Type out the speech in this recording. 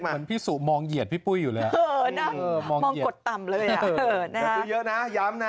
เหมือนพี่สูตรมองเหยียดพี่ปุ้ยอยู่เลย